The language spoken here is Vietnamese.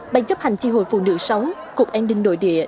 bệnh chấp hành tri hội phụ nữ sống cục an ninh nội địa